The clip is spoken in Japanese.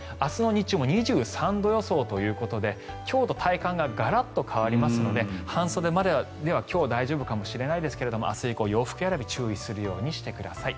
日中も２３度予想ということで今日と体感がガラッと変わりますので半袖で今日までは大丈夫かもしれませんが明日以降、洋服選び注意するようにしてください。